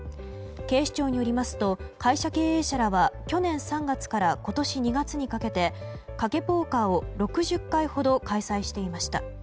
警視庁によりますと会社経営者らは去年３月から今年２月にかけて賭けポーカーを６０回ほど開催していました。